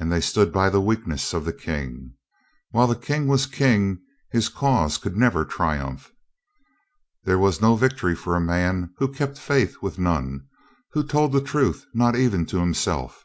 Ay, they stood by the weakness of the King. While the King was King his cause could never triumph. There was no victory for a man who kept faith with none, who told the truth not even to himself.